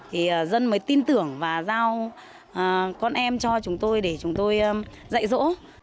thì dân mới tin tưởng và giao con em cho chúng tôi để chúng tôi dạy dỗ